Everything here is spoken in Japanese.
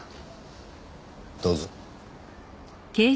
どうぞ。